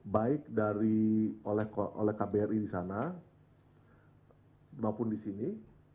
baik oleh kbri di sana maupun di sini